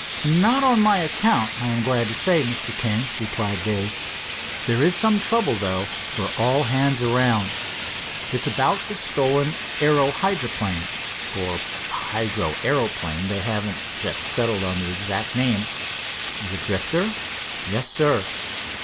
"Not on my account, I, am glad to say, Mr. King," replied Dave. "There is some trouble, though, for all hands around. It's about the stolen aero hydroplane, or hydro aeroplane, they haven't just settled on the exact name." "The Drifter?" "Yes, sir."